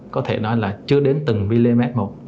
có thể nói là chưa đến từng mm một